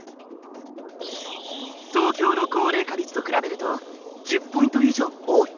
東京の高齢化率と比べると１０ポイント以上多い。